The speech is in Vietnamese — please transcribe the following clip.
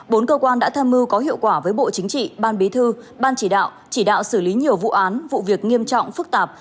bốn cơ quan đã tham mưu có hiệu quả với bộ chính trị ban bí thư ban chỉ đạo chỉ đạo xử lý nhiều vụ án vụ việc nghiêm trọng phức tạp